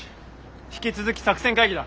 引き続き作戦会議だ！